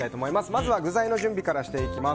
まずは具材の準備からしていきます。